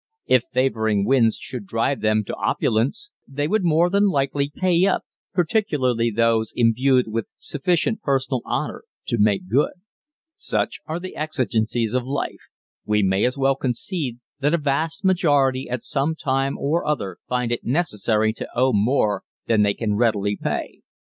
If favoring winds should drive them to opulence they would more than likely pay up, particularly those imbued with sufficient personal honor to "make good." Such are the exigencies of life, we may as well concede that a vast majority at some time or other find it necessary to owe more than they can readily pay.